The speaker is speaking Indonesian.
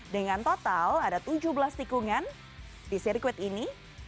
dengan total ada tujuh belas tikungan di sirkuit ini